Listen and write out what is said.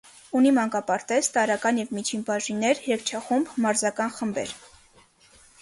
Ունի մանկապարտեզ, տարրական և միջին բաժիններ, երգչախումբ, մարզական խմբեր։